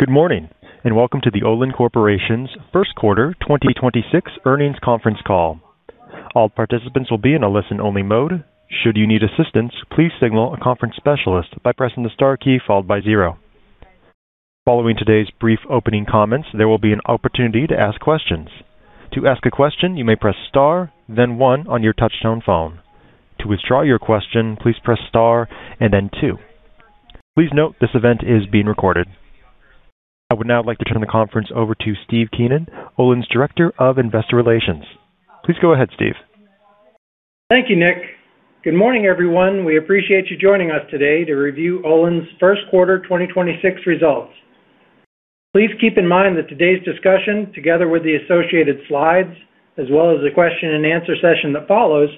Good morning, and welcome to the Olin Corporation's first quarter 2026 earnings conference call. All participants will be in a listen-only mode. Should you need assistance, please signal a conference specialist by pressing the star key followed by zero. Following today's brief opening comments, there will be an opportunity to ask questions. To ask a question, you may press star then one on your touchtone phone. To withdraw your question, please press star and then two. Please note this event is being recorded. I would now like to turn the conference over to Steve Keenan, Olin's Director of Investor Relations. Please go ahead, Steve. Thank you, Nick. Good morning, everyone. We appreciate you joining us today to review Olin's first quarter 2026 results. Please keep in mind that today's discussion, together with the associated slides, as well as the question and answer session that follows,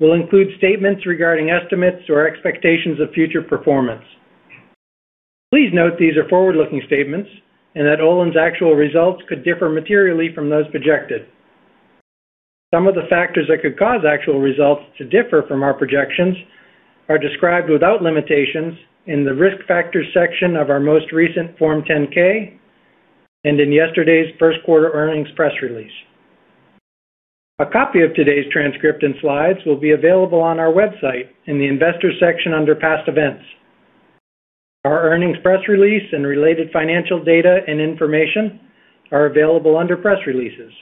will include statements regarding estimates or expectations of future performance. Please note these are forward-looking statements and that Olin's actual results could differ materially from those projected. Some of the factors that could cause actual results to differ from our projections are described without limitations in the Risk Factors section of our most recent Form 10-K and in yesterday's first quarter earnings press release. A copy of today's transcript and slides will be available on our website in the Investors section under Past Events. Our earnings press release and related financial data and information are available under Press Releases.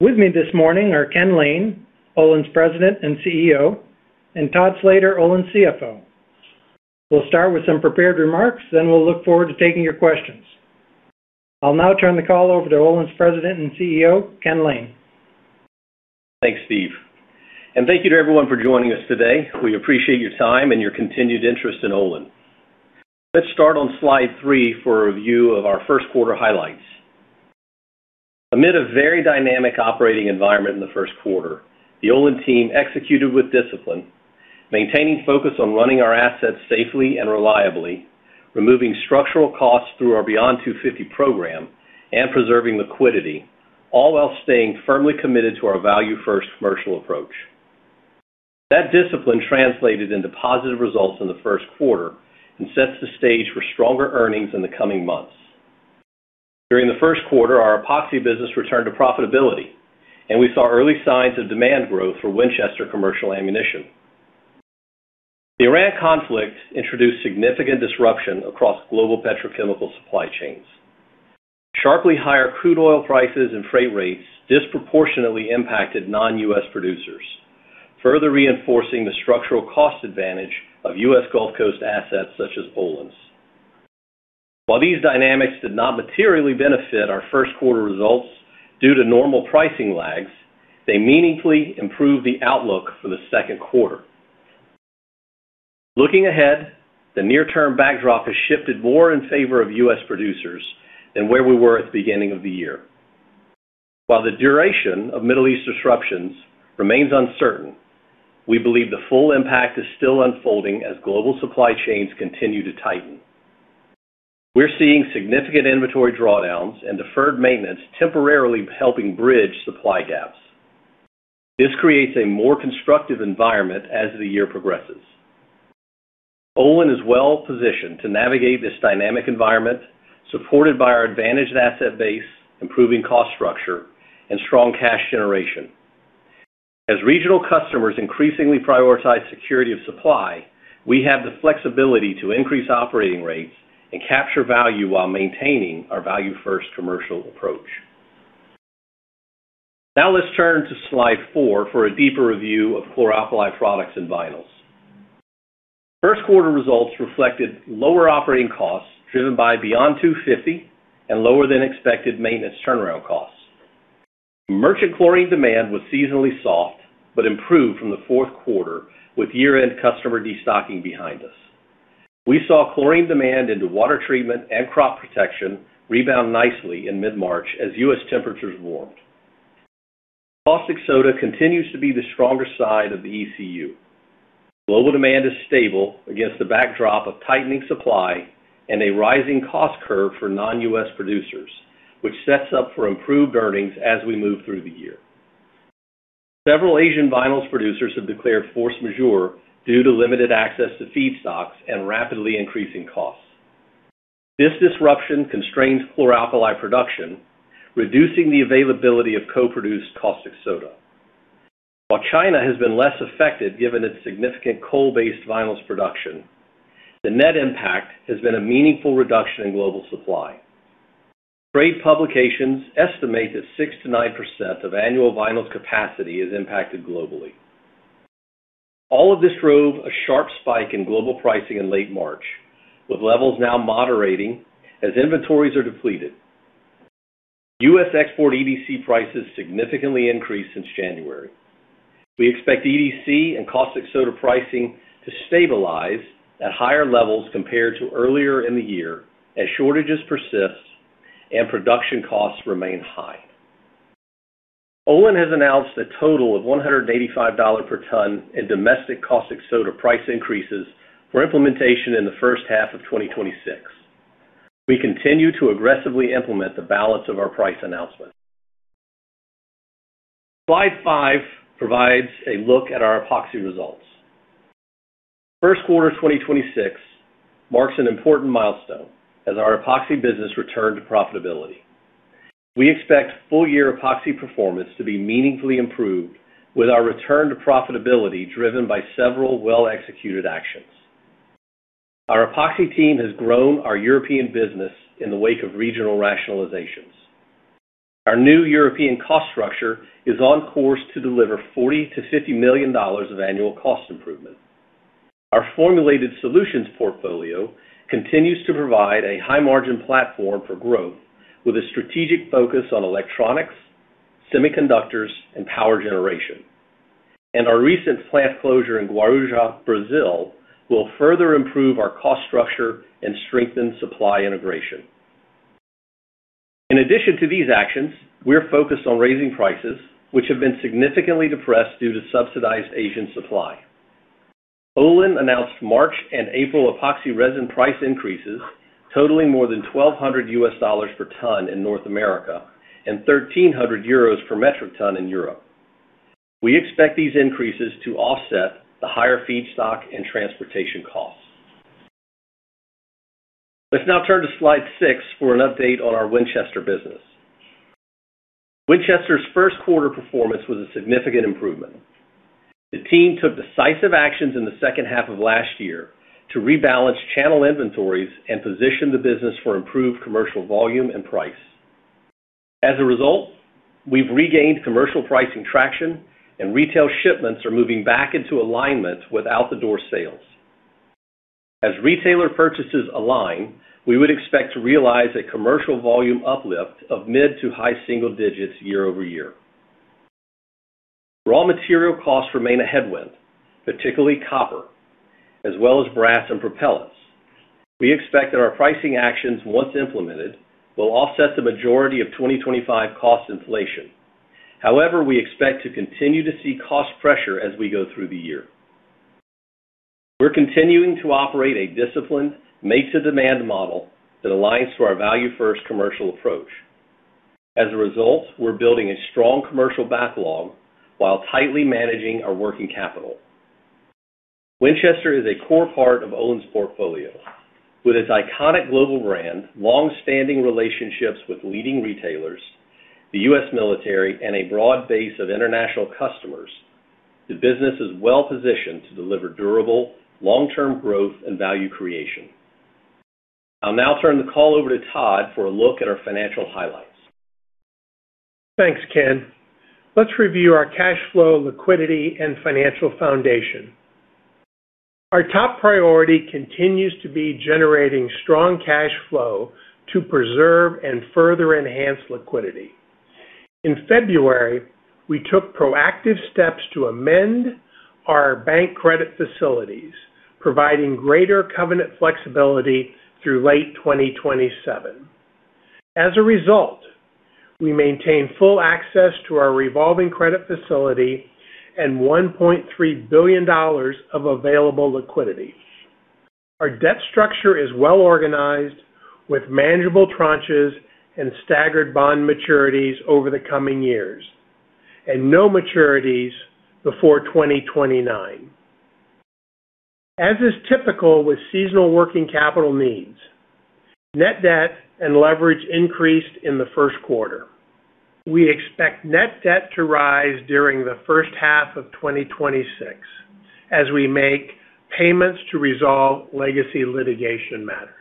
With me this morning are Ken Lane, Olin's President and CEO, and Todd Slater, Olin's CFO. We'll start with some prepared remarks, then we'll look forward to taking your questions. I'll now turn the call over to Olin's President and CEO, Ken Lane. Thanks, Steve. Thank you to everyone for joining us today. We appreciate your time and your continued interest in Olin. Let's start on slide 3 for a view of our first quarter highlights. Amid a very dynamic operating environment in the first quarter, the Olin team executed with discipline, maintaining focus on running our assets safely and reliably, removing structural costs through our Beyond 250 program and preserving liquidity, all while staying firmly committed to our value-first commercial approach. That discipline translated into positive results in the first quarter and sets the stage for stronger earnings in the coming months. During the first quarter, our Epoxy business returned to profitability, and we saw early signs of demand growth for Winchester commercial ammunition. The Iran conflict introduced significant disruption across global petrochemical supply chains. Sharply higher crude oil prices and freight rates disproportionately impacted non-U.S. producers, further reinforcing the structural cost advantage of U.S. Gulf Coast assets such as Olin's. While these dynamics did not materially benefit our first quarter results due to normal pricing lags, they meaningfully improved the outlook for the second quarter. Looking ahead, the near-term backdrop has shifted more in favor of U.S. producers than where we were at the beginning of the year. While the duration of Middle East disruptions remains uncertain, we believe the full impact is still unfolding as global supply chains continue to tighten. We're seeing significant inventory drawdowns and deferred maintenance temporarily helping bridge supply gaps. This creates a more constructive environment as the year progresses. Olin is well positioned to navigate this dynamic environment, supported by our advantaged asset base, improving cost structure, and strong cash generation. As regional customers increasingly prioritize security of supply, we have the flexibility to increase operating rates and capture value while maintaining our value-first commercial approach. Let's turn to slide 4 for a deeper review of chlor-alkali products and vinyls. first quarter results reflected lower operating costs driven by Beyond 250 and lower than expected maintenance turnaround costs. Merchant chlorine demand was seasonally soft but improved from the 4th quarter with year-end customer destocking behind us. We saw chlorine demand into water treatment and crop protection rebound nicely in mid-March as U.S. temperatures warmed. Caustic soda continues to be the stronger side of the ECU. Global demand is stable against the backdrop of tightening supply and a rising cost curve for non-U.S. producers, which sets up for improved earnings as we move through the year. Several Asian vinyls producers have declared force majeure due to limited access to feedstocks and rapidly increasing costs. This disruption constrains chlor-alkali production, reducing the availability of co-produced caustic soda. While China has been less affected given its significant coal-based vinyls production, the net impact has been a meaningful reduction in global supply. Trade publications estimate that 6% to 9% of annual vinyls capacity is impacted globally. All of this drove a sharp spike in global pricing in late March, with levels now moderating as inventories are depleted. U.S. export EDC prices significantly increased since January. We expect EDC and caustic soda pricing to stabilize at higher levels compared to earlier in the year as shortages persist and production costs remain high. Olin has announced a total of $185 per ton in domestic caustic soda price increases for implementation in the first half of 2026. We continue to aggressively implement the balance of our price announcements. Slide 5 provides a look at our epoxy results. First quarter 2026 marks an important milestone as our epoxy business returned to profitability. We expect full year epoxy performance to be meaningfully improved with our return to profitability driven by several well-executed actions. Our epoxy team has grown our European business in the wake of regional rationalizations. Our new European cost structure is on course to deliver $40 million-$50 million of annual cost improvement. Our Formulated Solutions portfolio continues to provide a high margin platform for growth with a strategic focus on electronics, semiconductors, and power generation. Our recent plant closure in Guarujá, Brazil will further improve our cost structure and strengthen supply integration. In addition to these actions, we are focused on raising prices, which have been significantly depressed due to subsidized Asian supply. Olin announced March and April epoxy resin price increases totaling more than $1,200 per ton in North America and 1,300 euros per metric ton in Europe. We expect these increases to offset the higher feedstock and transportation costs. Let's now turn to slide 6 for an update on our Winchester business. Winchester's first quarter performance was a significant improvement. The team took decisive actions in the second half of last year to rebalance channel inventories and position the business for improved commercial volume and price. As a result, we have regained commercial pricing traction and retail shipments are moving back into alignment with out-the-door sales. As retailer purchases align, we would expect to realize a commercial volume uplift of mid to high single digits year-over-year. Raw material costs remain a headwind, particularly copper, as well as brass and propellants. We expect that our pricing actions, once implemented, will offset the majority of 2025 cost inflation. However, we expect to continue to see cost pressure as we go through the year. We're continuing to operate a disciplined make-to-demand model that aligns to our value-first commercial approach. As a result, we're building a strong commercial backlog while tightly managing our working capital. Winchester is a core part of Olin's portfolio. With its iconic global brand, long-standing relationships with leading retailers, the U.S. military, and a broad base of international customers, the business is well-positioned to deliver durable, long-term growth and value creation. I'll now turn the call over to Todd for a look at our financial highlights. Thanks, Ken. Let's review our cash flow, liquidity, and financial foundation. Our top priority continues to be generating strong cash flow to preserve and further enhance liquidity. In February, we took proactive steps to amend our bank credit facilities, providing greater covenant flexibility through late 2027. As a result, we maintain full access to our revolving credit facility and $1.3 billion of available liquidity. Our debt structure is well-organized with manageable tranches and staggered bond maturities over the coming years, and no maturities before 2029. As is typical with seasonal working capital needs, net debt and leverage increased in the first quarter. We expect net debt to rise during the first half of 2026 as we make payments to resolve legacy litigation matters.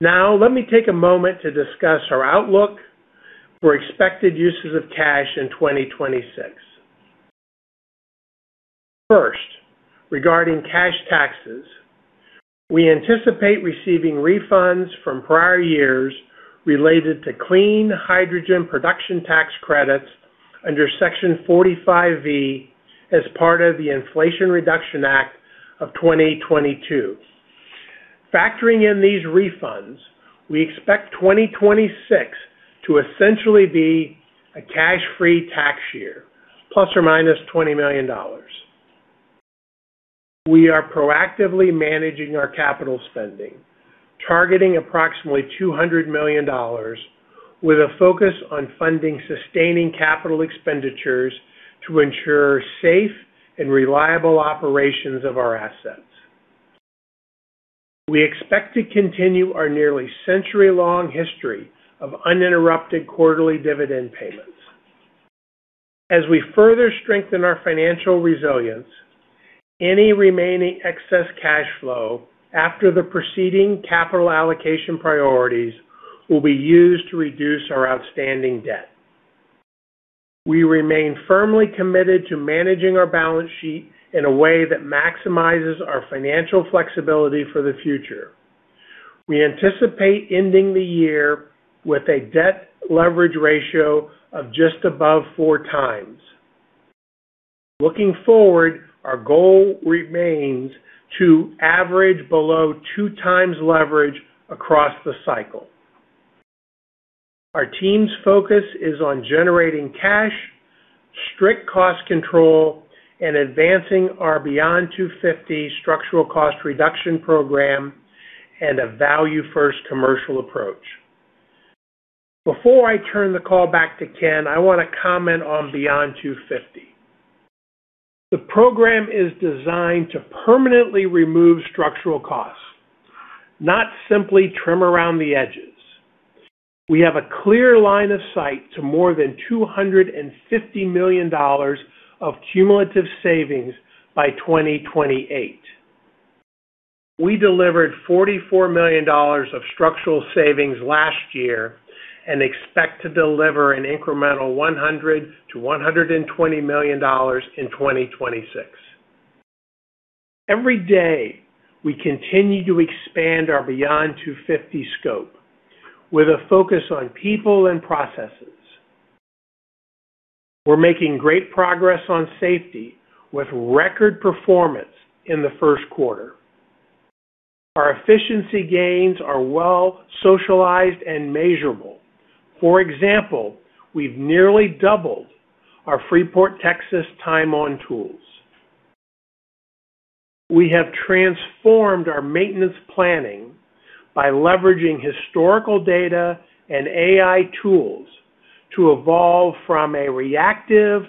Now, let me take a moment to discuss our outlook for expected uses of cash in 2026. First, regarding cash taxes, we anticipate receiving refunds from prior years related to clean hydrogen production tax credits under Section 45V as part of the Inflation Reduction Act of 2022. Factoring in these refunds, we expect 2026 to essentially be a cash-free tax year, ±$20 million. We are proactively managing our capital spending, targeting approximately $200 million with a focus on funding sustaining capital expenditures to ensure safe and reliable operations of our assets. We expect to continue our nearly century-long history of uninterrupted quarterly dividend payments. As we further strengthen our financial resilience, any remaining excess cash flow after the preceding capital allocation priorities will be used to reduce our outstanding debt. We remain firmly committed to managing our balance sheet in a way that maximizes our financial flexibility for the future. We anticipate ending the year with a debt leverage ratio of just above 4 times. Looking forward, our goal remains to average below 2 times leverage across the cycle. Our team's focus is on generating cash, strict cost control and advancing our Beyond 250 structural cost reduction program and a value-first commercial approach. Before I turn the call back to Ken, I wanna comment on Beyond 250. The program is designed to permanently remove structural costs, not simply trim around the edges. We have a clear line of sight to more than $250 million of cumulative savings by 2028. We delivered $44 million of structural savings last year and expect to deliver an incremental $100 million-$120 million in 2026. Every day, we continue to expand our Beyond 250 scope with a focus on people and processes. We're making great progress on safety with record performance in the first quarter. Our efficiency gains are well socialized and measurable. For example, we've nearly doubled our Freeport, Texas, time on tools. We have transformed our maintenance planning by leveraging historical data and AI tools to evolve from a reactive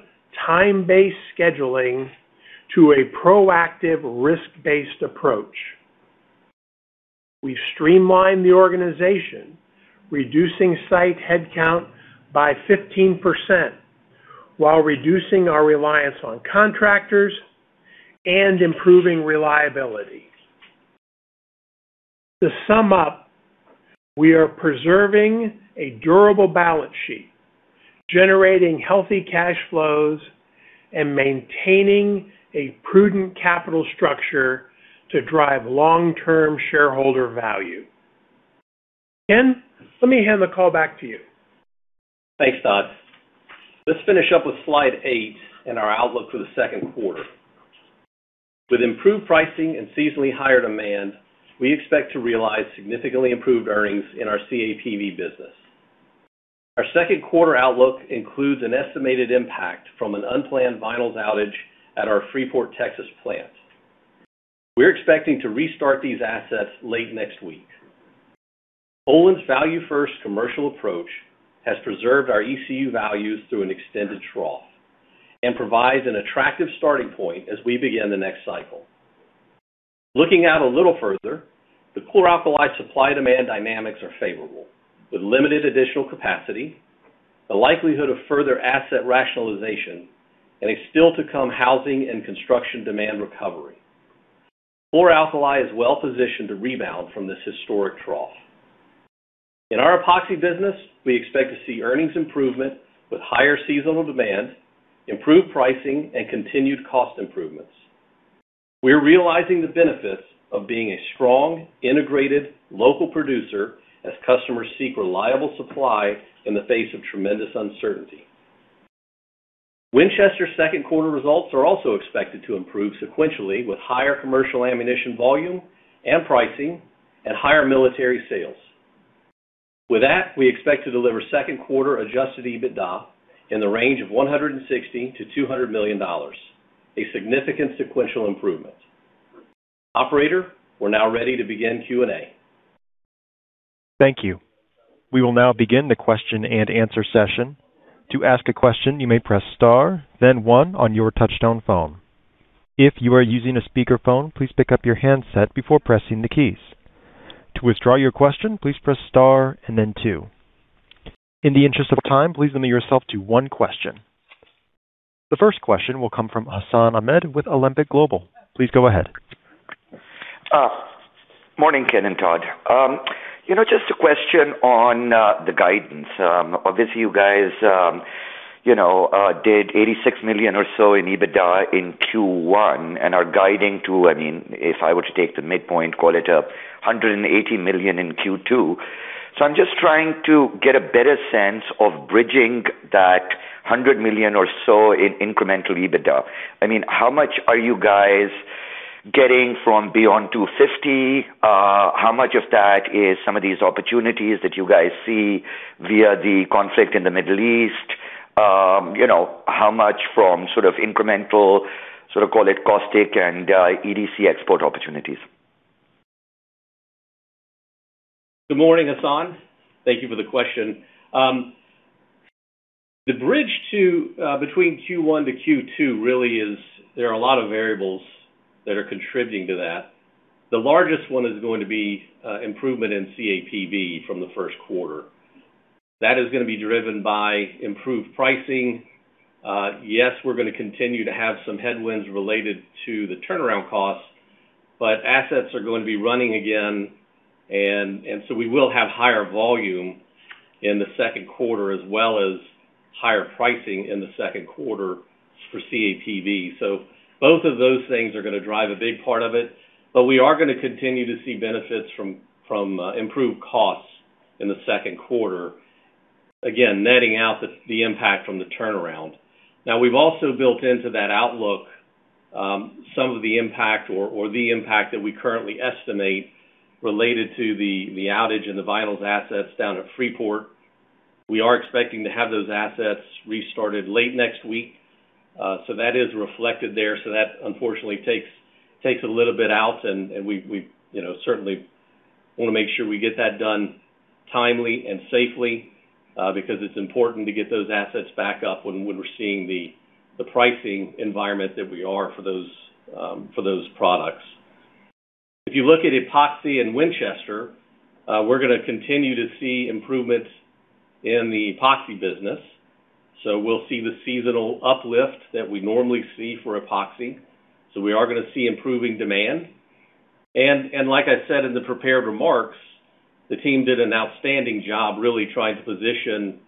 time-based scheduling to a proactive risk-based approach. We've streamlined the organization, reducing site headcount by 15% while reducing our reliance on contractors and improving reliability. To sum up, we are preserving a durable balance sheet, generating healthy cash flows, and maintaining a prudent capital structure to drive long-term shareholder value. Ken, let me hand the call back to you. Thanks, Todd. Let's finish up with slide eight and our outlook for the second quarter. With improved pricing and seasonally higher demand, we expect to realize significantly improved earnings in our CAPV business. Our second quarter outlook includes an estimated impact from an unplanned vinyls outage at our Freeport, Texas, plant. We're expecting to restart these assets late next week. Olin's value-first commercial approach has preserved our ECU values through an extended trough and provides an attractive starting point as we begin the next cycle. Looking out a little further, the chlor-alkali supply-demand dynamics are favorable with limited additional capacity, the likelihood of further asset rationalization, and a still to come housing and construction demand recovery. Chlor-alkali is well-positioned to rebound from this historic trough. In our epoxy business, we expect to see earnings improvement with higher seasonal demand, improved pricing, and continued cost improvements. We're realizing the benefits of being a strong, integrated local producer as customers seek reliable supply in the face of tremendous uncertainty. Winchester second quarter results are also expected to improve sequentially, with higher commercial ammunition volume and pricing and higher military sales. With that, we expect to deliver second quarter Adjusted EBITDA in the range of $160 million-$200 million, a significant sequential improvement. Operator, we're now ready to begin Q&A. Thank you. We will now begin the question-and-answer session. To ask a question, you may press star then one on your touchtone phone. If you are using a speakerphone, please pick up your handset before pressing the keys. To withdraw your question, please press star and then two. In the interest of time, please limit yourself to one question. The first question will come from Hassan Ahmed with Alembic Global Advisors. Please go ahead. Morning, Ken and Todd. You know, just a question on the guidance. Obviously, you guys, you know, did $86 million or so in EBITDA in Q1 and are guiding to, I mean, if I were to take the midpoint, call it $180 million in Q2. I'm just trying to get a better sense of bridging that $100 million or so in incremental EBITDA. I mean, how much are you guys getting from Beyond 250? How much of that is some of these opportunities that you guys see via the conflict in the Middle East? You know, how much from sort of incremental, sort of, call it caustic and EDC export opportunities? Good morning, Hassan. Thank you for the question. The bridge to between Q one to Q two really is there are a lot of variables that are contributing to that. The largest one is going to be improvement in CAPV from the first quarter. That is gonna be driven by improved pricing. Yes, we're gonna continue to have some headwinds related to the turnaround costs, but assets are going to be running again, and so we will have higher volume in the second quarter, as well as higher pricing in the second quarter for CAPV. Both of those things are gonna drive a big part of it, but we are gonna continue to see benefits from improved costs in the second quarter. Again, netting out the impact from the turnaround. Now we've also built into that outlook, some of the impact or the impact that we currently estimate related to the outage in the vinyls assets down at Freeport. We are expecting to have those assets restarted late next week, so that is reflected there. That unfortunately takes a little bit out and we've, you know, certainly wanna make sure we get that done timely and safely, because it's important to get those assets back up when we're seeing the pricing environment that we are for those for those products. If you look at Epoxy and Winchester, we're gonna continue to see improvements in the Epoxy business. We'll see the seasonal uplift that we normally see for Epoxy. We are gonna see improving demand. Like I said in the prepared remarks, the team did an outstanding job really trying to position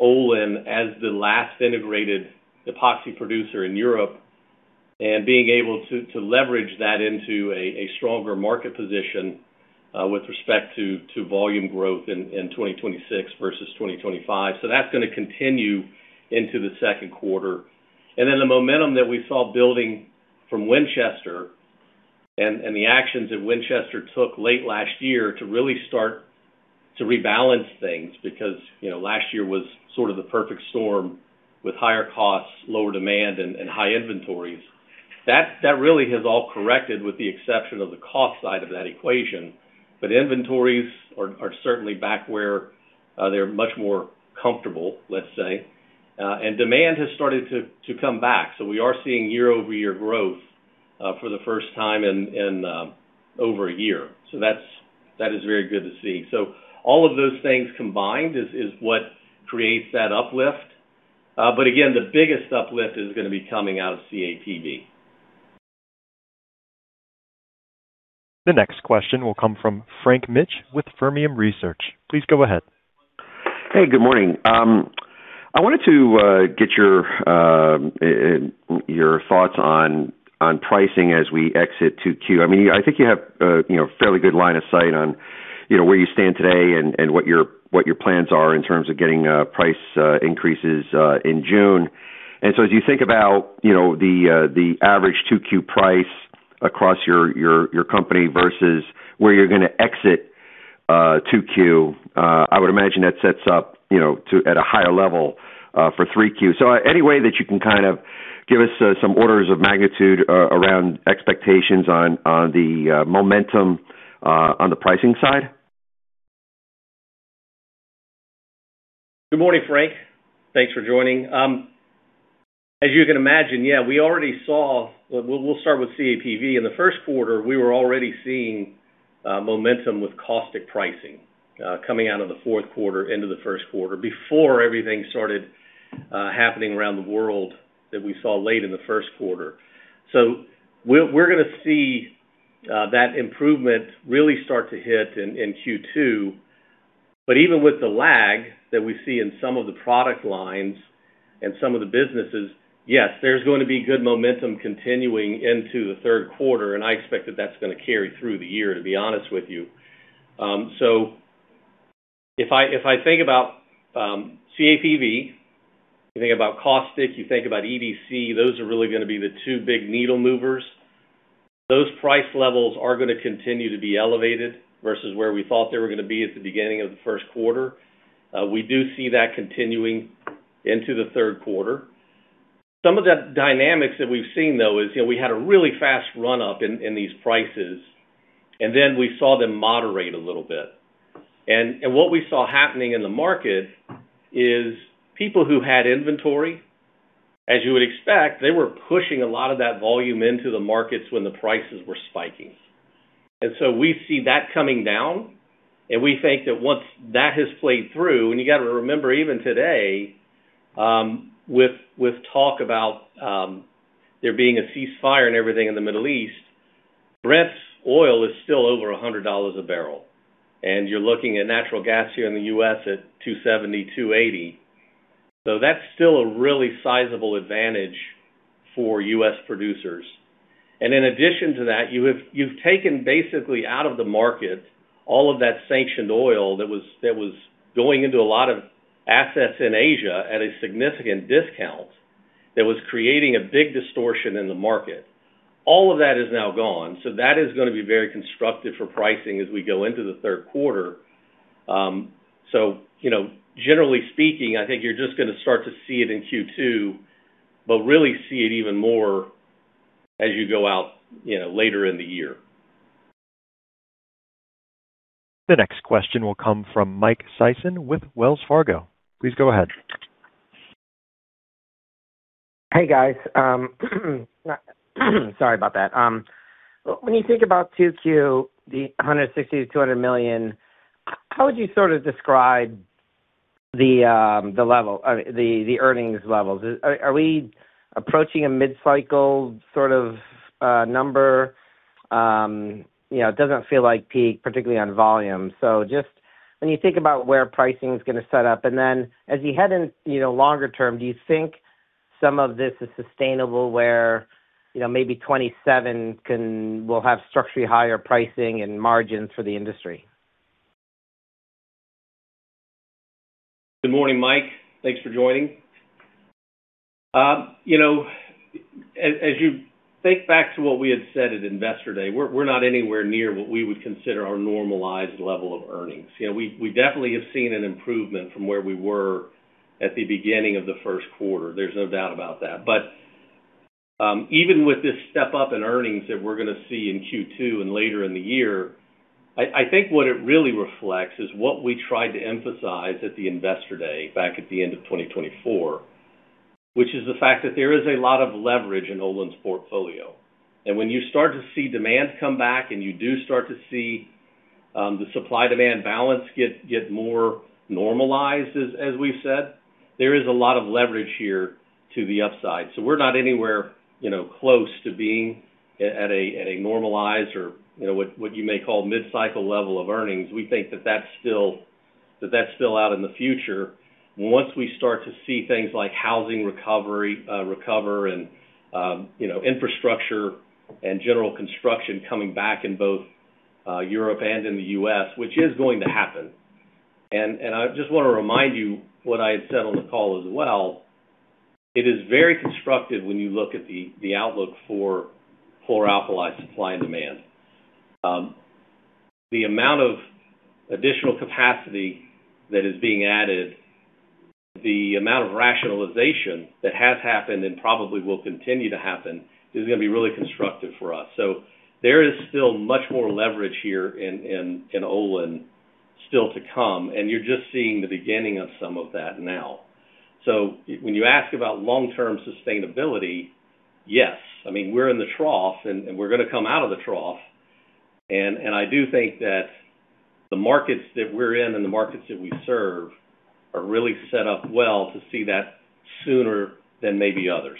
Olin as the last integrated epoxy producer in Europe, and being able to leverage that into a stronger market position with respect to volume growth in 2026 versus 2025. That's gonna continue into the 2Q. Then the momentum that we saw building from Winchester and the actions that Winchester took late last year to really start to rebalance things because, you know, last year was sort of the perfect storm with higher costs, lower demand and high inventories. That really has all corrected with the exception of the cost side of that equation. Inventories are certainly back where they're much more comfortable, let's say. Demand has started to come back. We are seeing year-over-year growth for the first time in over a year. That is very good to see. All of those things combined is what creates that uplift. Again, the biggest uplift is gonna be coming out of CAPV. The next question will come from Frank Mitsch with Fermium Research. Please go ahead. Hey, good morning. I wanted to get your thoughts on pricing as we exit 2Q. I mean, I think you have a, you know, fairly good line of sight on, you know, where you stand today and what your plans are in terms of getting price increases in June. As you think about, you know, the average 2Q price across your company versus where you're going to exit 2Q, I would imagine that sets up at a higher level for 3Q. Any way that you can kind of give us some orders of magnitude around expectations on the momentum on the pricing side? Good morning, Frank. Thanks for joining. As you can imagine, yeah, we'll start with CAPV. In the first quarter, we were already seeing momentum with caustic pricing coming out of the fourth quarter into the first quarter before everything started happening around the world that we saw late in the first quarter. We're gonna see that improvement really start to hit in Q2. Even with the lag that we see in some of the product lines and some of the businesses, yes, there's going to be good momentum continuing into the third quarter, and I expect that that's gonna carry through the year, to be honest with you. If I, if I think about CAPV, you think about caustic, you think about EDC, those are really gonna be the two big needle movers. Those price levels are gonna continue to be elevated versus where we thought they were gonna be at the beginning of the first quarter. We do see that continuing into the third quarter. Some of the dynamics that we've seen, though, is, you know, we had a really fast run-up in these prices, and then we saw them moderate a little bit. What we saw happening in the market is people who had inventory, as you would expect, they were pushing a lot of that volume into the markets when the prices were spiking. We see that coming down, and we think that once that has played through, and you got to remember even today, with talk about there being a ceasefire and everything in the Middle East, Brent oil is still over $100 a bbl, and you're looking at natural gas here in the U.S. at $2.70, $2.80. That's still a really sizable advantage for U.S. producers. In addition to that, you've taken basically out of the market all of that sanctioned oil that was going into a lot of assets in Asia at a significant discount that was creating a big distortion in the market. All of that is now gone. That is gonna be very constructive for pricing as we go into the third quarter. You know, generally speaking, I think you're just gonna start to see it in Q2, but really see it even more as you go out, you know, later in the year. The next question will come from Mike Sison with Wells Fargo. Please go ahead. Hey, guys. Sorry about that. When you think about 2Q, the $160 million-$200 million, how would you sort of describe the earnings levels? Are we approaching a mid-cycle sort of number? You know, it doesn't feel like peak, particularly on volume. Just when you think about where pricing is gonna set up, and then as you head in, you know, longer term, do you think some of this is sustainable where, you know, maybe 2027 will have structurally higher pricing and margins for the industry? Good morning, Mike. Thanks for joining. You know, as you think back to what we had said at Investor Day, we're not anywhere near what we would consider our normalized level of earnings. You know, we definitely have seen an improvement from where we were at the beginning of the first quarter. There's no doubt about that. Even with this step up in earnings that we're going to see in Q2 and later in the year, I think what it really reflects is what we tried to emphasize at the Investor Day back at the end of 2024, which is the fact that there is a lot of leverage in Olin's portfolio. When you start to see demand come back and you do start to see the supply-demand balance get more normalized, as we've said, there is a lot of leverage here to the upside. We're not anywhere, you know, close to being at a normalized or, you know, what you may call mid-cycle level of earnings. We think that that's still out in the future. Once we start to see things like housing recovery recover and, you know, infrastructure and general construction coming back in both Europe and in the U.S., which is going to happen. I just wanna remind you what I had said on the call as well. It is very constructive when you look at the outlook for chlor-alkali supply and demand. The amount of additional capacity that is being added, the amount of rationalization that has happened and probably will continue to happen is going to be really constructive for us. There is still much more leverage here in Olin still to come, and you're just seeing the beginning of some of that now. When you ask about long-term sustainability, yes, I mean, we're in the trough and we're going to come out of the trough. I do think that the markets that we're in and the markets that we serve are really set up well to see that sooner than maybe others.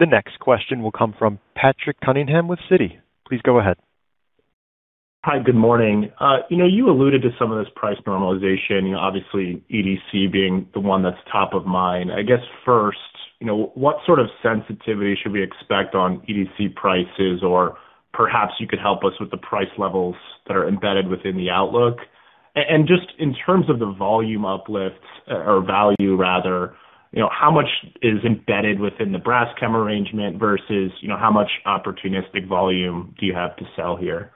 The next question will come from Patrick Cunningham with Citi. Please go ahead. Hi, good morning. You know, you alluded to some of this price normalization, you know, obviously EDC being the one that's top of mind. I guess first, you know, what sort of sensitivity should we expect on EDC prices? Or perhaps you could help us with the price levels that are embedded within the outlook. Just in terms of the volume uplifts, or value rather, you know, how much is embedded within the Braskem arrangement versus, you know, how much opportunistic volume do you have to sell here?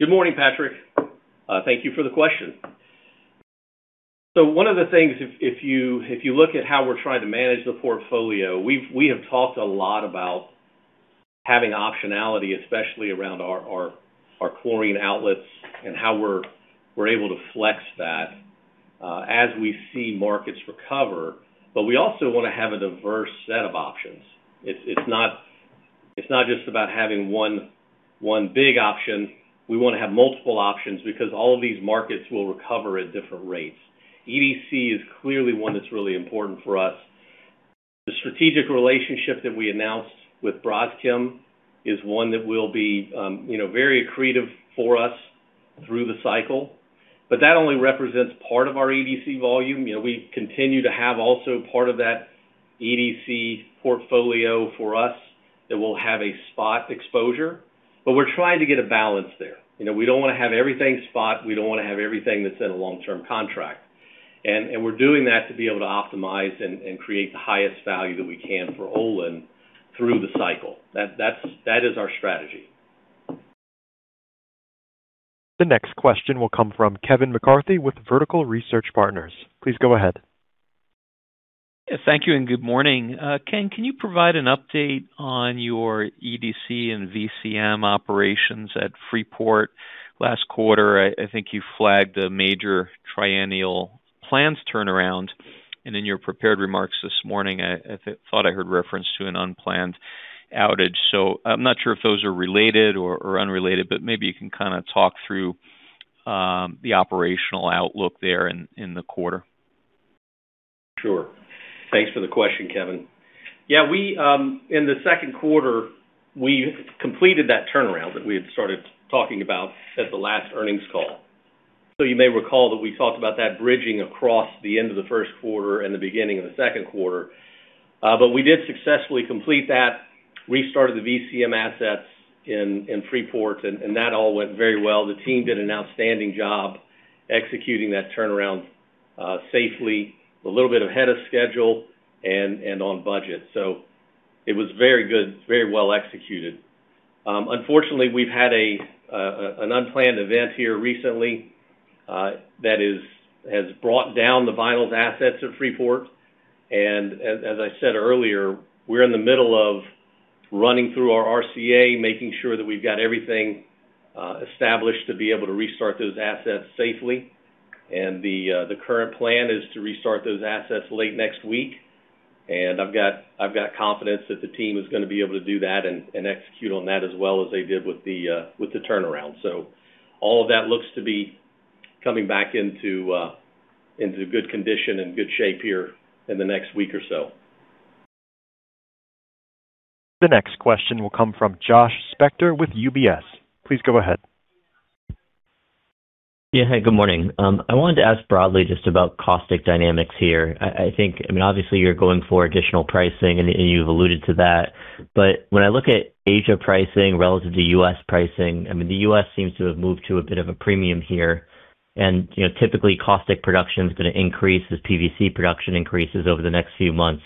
Good morning, Patrick. Thank you for the question. One of the things if you look at how we're trying to manage the portfolio, we have talked a lot about having optionality, especially around our chlorine outlets and how we're able to flex that as we see markets recover. We also wanna have a diverse set of options. It's not just about having one big option. We wanna have multiple options because all of these markets will recover at different rates. EDC is clearly one that's really important for us. The strategic relationship that we announced with Braskem is one that will be, you know, very accretive for us through the cycle. That only represents part of our EDC volume. You know, we continue to have also part of that EDC portfolio for us that will have a spot exposure. We're trying to get a balance there. You know, we don't wanna have everything spot. We don't wanna have everything that's in a long-term contract. We're doing that to be able to optimize and create the highest value that we can for Olin through the cycle. That is our strategy. The next question will come from Kevin McCarthy with Vertical Research Partners. Please go ahead. Thank you and good morning. Ken, can you provide an update on your EDC and VCM operations at Freeport? Last quarter, I think you flagged a major triennial plant turnaround. In your prepared remarks this morning, I thought I heard reference to an unplanned outage. I'm not sure if those are related or unrelated, but maybe you can kind of talk through the operational outlook there in the quarter. Sure. Thanks for the question, Kevin. We in the second quarter, we completed that turnaround that we had started talking about at the last earnings call. You may recall that we talked about that bridging across the end of the first quarter and the beginning of the second quarter. We did successfully complete that, restarted the VCM assets in Freeport, and that all went very well. The team did an outstanding job executing that turnaround, safely, a little bit ahead of schedule and on budget. It was very good, very well executed. Unfortunately, we've had an unplanned event here recently that has brought down the vinyls assets at Freeport. As, as I said earlier, we're in the middle of running through our RCA, making sure that we've got everything established to be able to restart those assets safely. The current plan is to restart those assets late next week. I've got confidence that the team is gonna be able to do that and execute on that as well as they did with the turnaround. All of that looks to be coming back into good condition and good shape here in the next week or so. The next question will come from Josh Spector with UBS. Please go ahead. Good morning. I wanted to ask broadly just about caustic dynamics here. I mean, obviously you're going for additional pricing, and you've alluded to that. When I look at Asia pricing relative to U.S. pricing, I mean, the U.S. seems to have moved to a bit of a premium here. You know, typically caustic production is going to increase as PVC production increases over the next few months.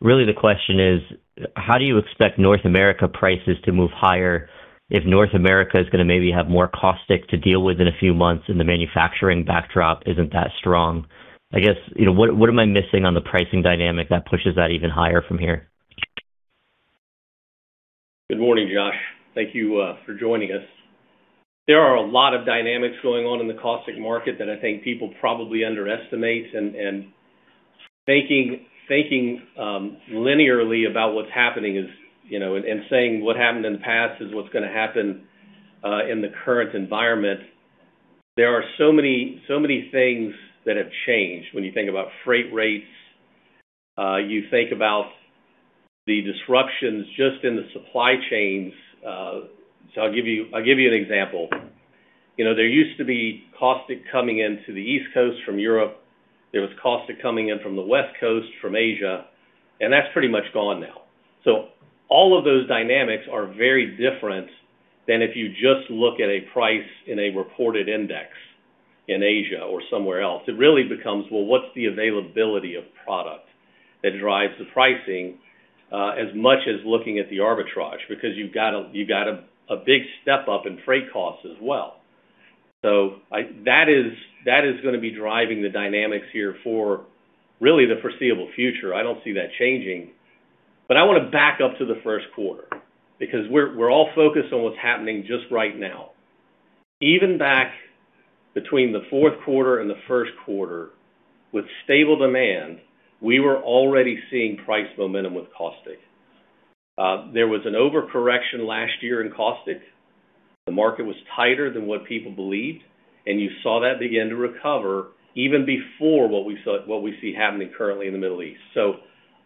Really the question is, how do you expect North America prices to move higher if North America is going to maybe have more caustic to deal with in a few months and the manufacturing backdrop isn't that strong? You know, what am I missing on the pricing dynamic that pushes that even higher from here? Good morning, Josh. Thank you for joining us. There are a lot of dynamics going on in the caustic market that I think people probably underestimate, and thinking, linearly about what's happening is, you know, and saying what happened in the past is what's going to happen in the current environment. There are so many things that have changed when you think about freight rates, you think about the disruptions just in the supply chains. I'll give you an example. You know, there used to be caustic coming into the East Coast from Europe, there was caustic coming in from the West Coast from Asia, that's pretty much gone now. All of those dynamics are very different than if you just look at a price in a reported index in Asia or somewhere else. It really becomes, well, what's the availability of product that drives the pricing, as much as looking at the arbitrage because you've got a big step up in freight costs as well. That is gonna be driving the dynamics here for really the foreseeable future. I don't see that changing. I want to back up to the first quarter because we're all focused on what's happening just right now. Even back between the fourth quarter and the first quarter, with stable demand, we were already seeing price momentum with caustic. There was an overcorrection last year in caustic. The market was tighter than what people believed, and you saw that begin to recover even before what we see happening currently in the Middle East.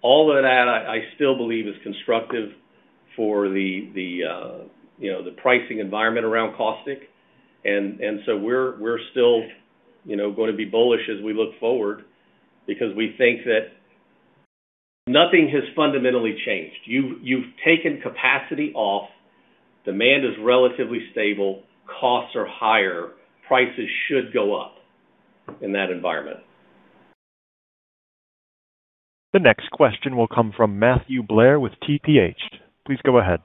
All of that, I still believe is constructive for the, you know, the pricing environment around caustic. We're still, you know, going to be bullish as we look forward because we think that nothing has fundamentally changed. You've taken capacity off, demand is relatively stable, costs are higher, prices should go up in that environment. The next question will come from Matthew Blair with TPH. Please go ahead.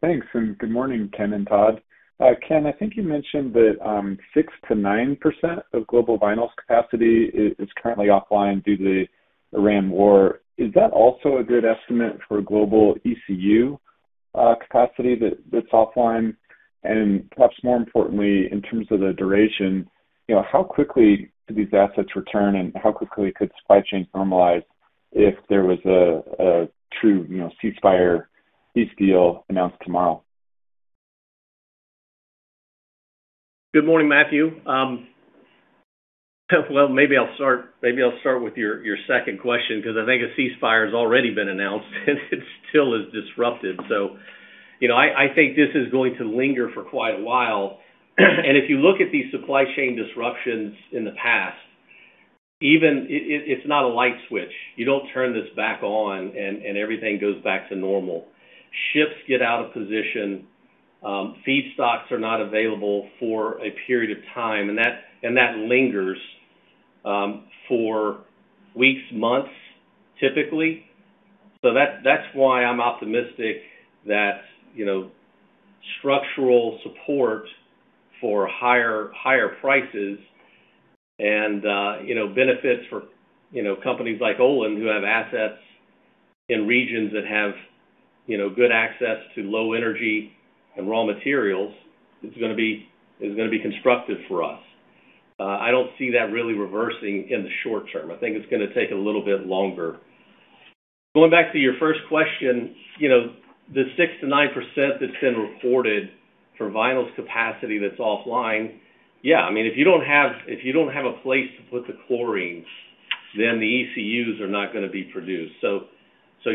Thanks, and good morning, Ken and Todd. Ken, I think you mentioned that 6%-9% of global vinyls capacity is currently offline due to the Iran war. Is that also a good estimate for global ECU capacity that's offline? Perhaps more importantly, in terms of the duration, you know, how quickly could these assets return and how quickly could supply chain normalize if there was a true, you know, ceasefire, peace deal announced tomorrow? Good morning, Matthew. Well, maybe I'll start with your second question because I think a ceasefire's already been announced, and it still is disrupted. You know, I think this is going to linger for quite a while. If you look at these supply chain disruptions in the past, even it's not a light switch. You don't turn this back on and everything goes back to normal. Ships get out of position, feedstocks are not available for a period of time, and that lingers for weeks, months, typically. That's why I'm optimistic that, you know, structural support for higher prices and, you know, benefits for, you know, companies like Olin, who have assets in regions that have, you know, good access to low energy and raw materials, is gonna be constructive for us. I don't see that really reversing in the short term. I think it's gonna take a little bit longer. Going back to your first question, you know, the 6%-9% that's been reported for vinyls capacity that's offline, yeah, I mean, if you don't have a place to put the chlorine, then the ECUs are not gonna be produced.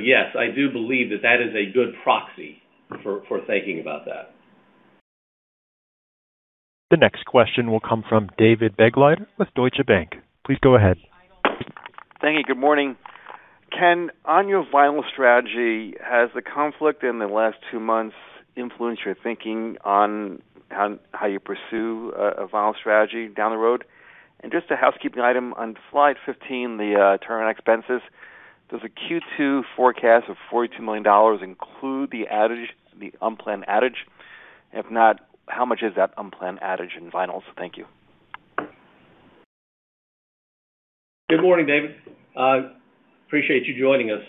Yes, I do believe that that is a good proxy for thinking about that. The next question will come from David Begleiter with Deutsche Bank. Please go ahead. Thank you. Good morning. Ken, on your vinyl strategy, has the conflict in the last two months influenced your thinking on how you pursue a vinyl strategy down the road? Just a housekeeping item, on slide 15, the turn on expenses, does the Q2 forecast of $42 million include the unplanned outage? If not, how much is that unplanned outage in vinyl? Thank you. Good morning, David. Appreciate you joining us.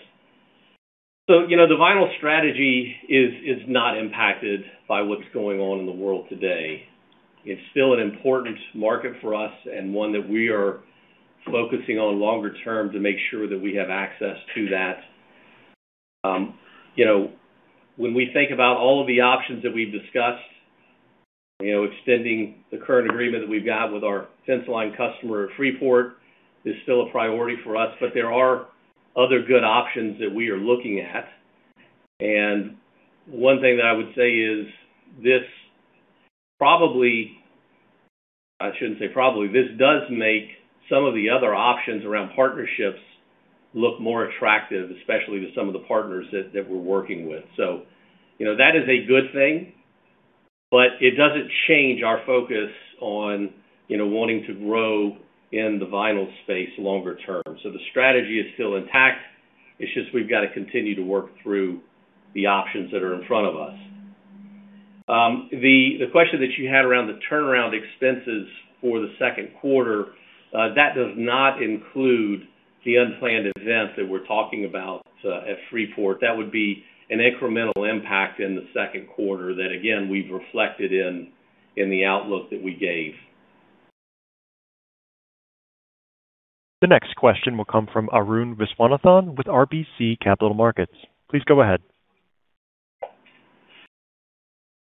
You know, the vinyl strategy is not impacted by what's going on in the world today. It's still an important market for us and one that we are focusing on longer term to make sure that we have access to that. You know, when we think about all of the options that we've discussed, you know, extending the current agreement that we've got with our Shintech customer at Freeport is still a priority for us. There are other good options that we are looking at. One thing that I would say is this does make some of the other options around partnerships look more attractive, especially to some of the partners that we're working with. You know, that is a good thing, but it doesn't change our focus on, you know, wanting to grow in the vinyl space longer term. The strategy is still intact. It's just we've got to continue to work through the options that are in front of us. The question that you had around the turnaround expenses for the second quarter, that does not include the unplanned events that we're talking about at Freeport. That would be an incremental impact in the second quarter that, again, we've reflected in the outlook that we gave. The next question will come from Arun Viswanathan with RBC Capital Markets. Please go ahead.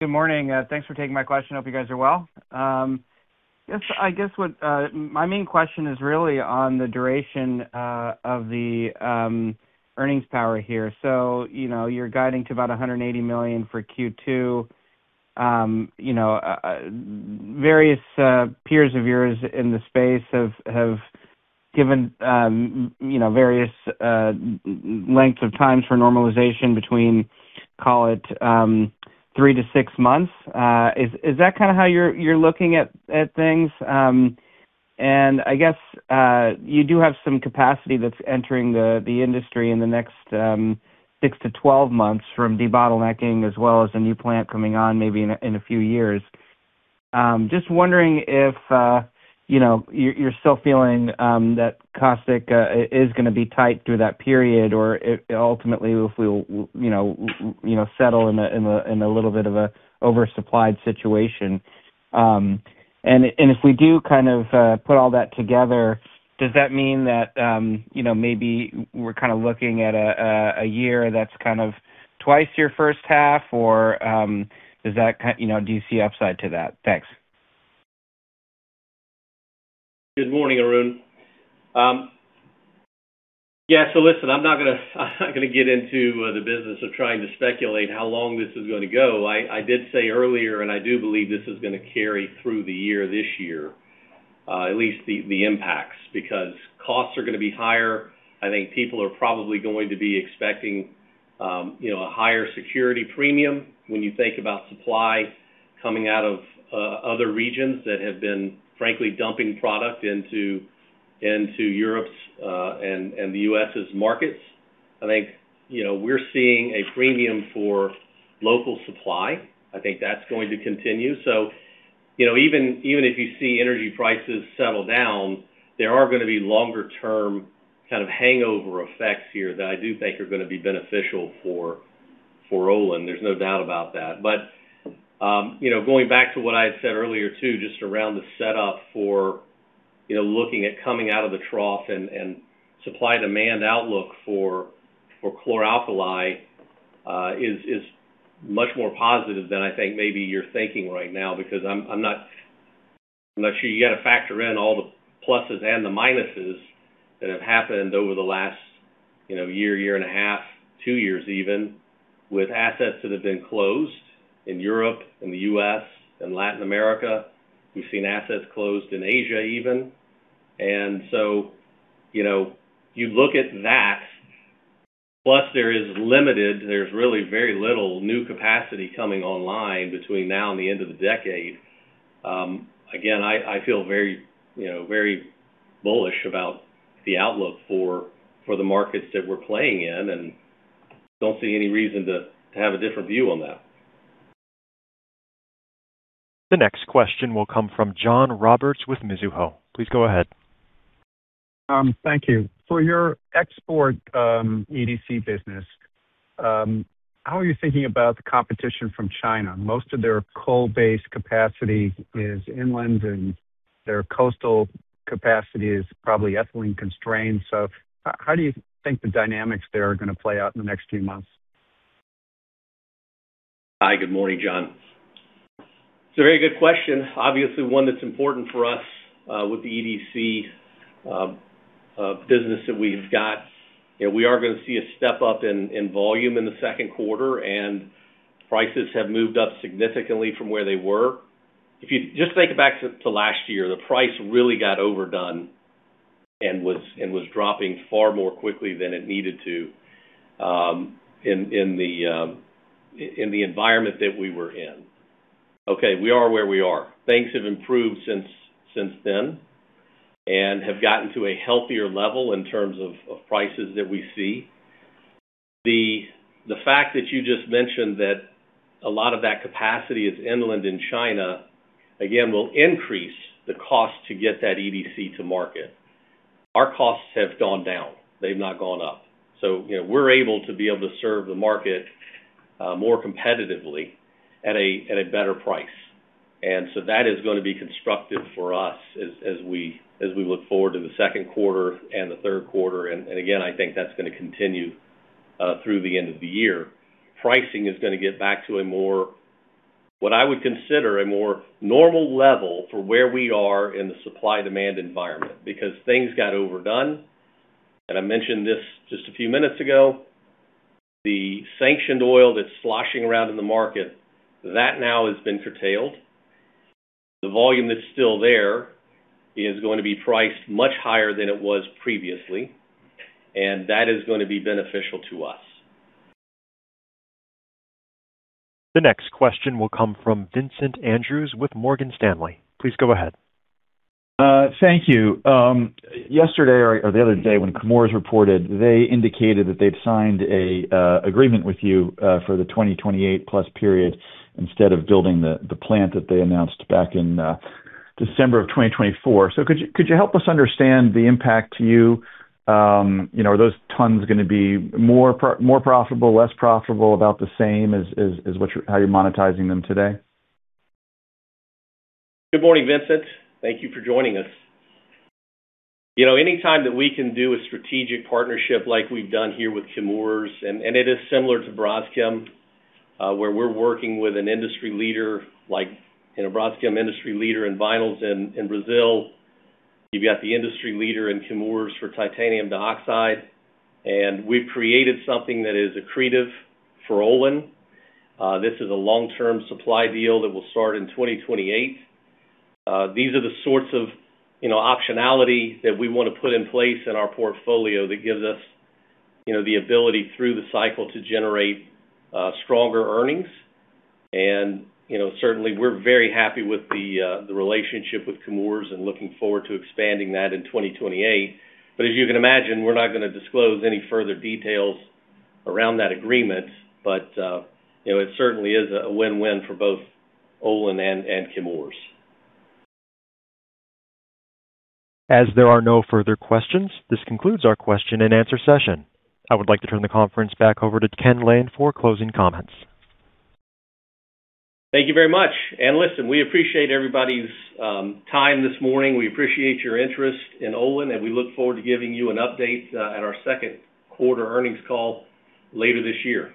Good morning. Thanks for taking my question. Hope you guys are well. I guess what my main question is really on the duration of the earnings power here. You know, you're guiding to about $180 million for Q2. You know, various peers of yours in the space have given, you know, various lengths of time for normalization between, call it, 3 to 6 months. Is that kind of how you're looking at things? And I guess, you do have some capacity that's entering the industry in the next 6 to 12 months from debottlenecking as well as a new plant coming on maybe in a few years. Just wondering if, you know, you're still feeling that caustic is going to be tight through that period or ultimately if we'll, you know, settle in a, in a, in a little bit of a oversupplied situation. If we do kind of put all that together, does that mean that, you know, maybe we're kind of looking at a year that's kind of twice your first half? Or, you know, do you see upside to that? Thanks. Good morning, Arun. Yeah. Listen, I'm not gonna get into the business of trying to speculate how long this is gonna go. I did say earlier, I do believe this is gonna carry through the year, this year, at least the impacts, because costs are gonna be higher. I think people are probably going to be expecting, you know, a higher security premium when you think about supply coming out of other regions that have been, frankly, dumping product into Europe's and the U.S.'s markets. I think, you know, we're seeing a premium for local supply. I think that's going to continue. You know, even if you see energy prices settle down, there are gonna be longer term kind of hangover effects here that I do think are gonna be beneficial for Olin. There's no doubt about that. You know, going back to what I said earlier, too, just around the setup for, you know, looking at coming out of the trough and supply-demand outlook for chlor-alkali, is much more positive than I think maybe you're thinking right now, because I'm not sure you got to factor in all the pluses and the minuses that have happened over the last, you know, year and a half, two years even, with assets that have been closed in Europe and the U.S. and Latin America. We've seen assets closed in Asia even. You know, you look at that, plus there is limited, there's really very little new capacity coming online between now and the end of the decade. Again, I feel very, you know, very bullish about the outlook for the markets that we're playing in and don't see any reason to have a different view on that. The next question will come from John Roberts with Mizuho. Please go ahead. Thank you. For your export, EDC business, how are you thinking about the competition from China? Most of their coal-based capacity is inland and their coastal capacity is probably ethylene constrained. How do you think the dynamics there are gonna play out in the next few months? Hi. Good morning, John. It's a very good question. Obviously, one that's important for us, with the EDC business that we've got. You know, we are gonna see a step up in volume in the second quarter, and prices have moved up significantly from where they were. If you just think back to last year, the price really got overdone and was dropping far more quickly than it needed to, in the environment that we were in. Okay, we are where we are. Things have improved since then and have gotten to a healthier level in terms of prices that we see. The fact that you just mentioned that a lot of that capacity is inland in China, again, will increase the cost to get that EDC to market. Our costs have gone down. They've not gone up. You know, we're able to serve the market more competitively at a better price. That is going to be constructive for us as we look forward to the second quarter and the third quarter. Again, I think that's going to continue through the end of the year. Pricing is going to get back to a more, what I would consider a more normal level for where we are in the supply-demand environment because things got overdone, and I mentioned this just a few minutes ago. The sanctioned oil that's sloshing around in the market, that now has been curtailed. The volume that's still there is going to be priced much higher than it was previously, and that is going to be beneficial to us. The next question will come from Vincent Andrews with Morgan Stanley. Please go ahead. Thank you. Yesterday or the other day when Chemours reported, they indicated that they'd signed a agreement with you for the 2028 plus period instead of building the plant that they announced back in December of 2024. Could you help us understand the impact to you? You know, are those tons gonna be more profitable, less profitable, about the same as what you're, how you're monetizing them today? Good morning, Vincent. Thank you for joining us. You know, anytime that we can do a strategic partnership like we've done here with Chemours, and it is similar to Braskem, where we're working with an industry leader like, you know, Braskem, industry leader in vinyls in Brazil. You've got the industry leader in Chemours for titanium dioxide, we've created something that is accretive for Olin. This is a long-term supply deal that will start in 2028. These are the sorts of, you know, optionality that we wanna put in place in our portfolio that gives us, you know, the ability through the cycle to generate stronger earnings. You know, certainly we're very happy with the relationship with Chemours and looking forward to expanding that in 2028. As you can imagine, we're not gonna disclose any further details around that agreement. You know, it certainly is a win-win for both Olin and Chemours. As there are no further questions, this concludes our question and answer session. I would like to turn the conference back over to Ken Lane for closing comments. Thank you very much. Listen, we appreciate everybody's time this morning. We appreciate your interest in Olin, and we look forward to giving you an update at our second quarter earnings call later this year.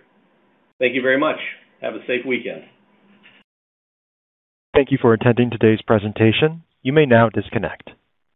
Thank you very much. Have a safe weekend. Thank you for attending today's presentation. You may now disconnect.